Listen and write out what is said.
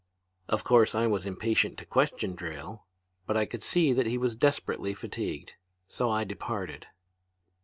"Of course I was impatient to question Drayle, but I could see that he was desperately fatigued. So I departed.